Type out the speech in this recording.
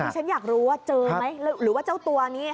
ฉันอยากรู้ว่าเจอไหมหรือว่าเจ้าตัวนี้